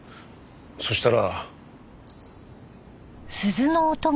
そしたら。